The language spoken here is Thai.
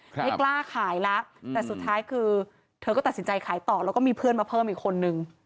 ไม่กล้าขายแล้วแต่สุดท้ายคือเธอก็ตัดสินใจขายต่อแล้วก็มีเพื่อนมาเพิ่มอีกคนนึง